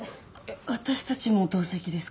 私たちも同席ですか？